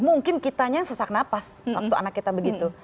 mungkin kitanya yang sesak nafas waktu anak kita begitu